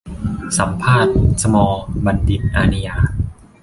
สัมภาษณ์ 'สมอลล์ บัณฑิต อานียา'